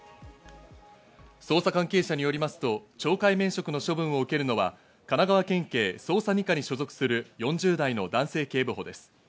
捜査関係者によりますと懲戒免職の処分を受けるのは神奈川県警捜査２課に所属する４０代の男性警部補です。